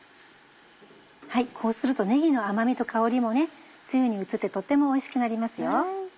こうするとねぎの甘みと香りもつゆに移ってとってもおいしくなりますよ。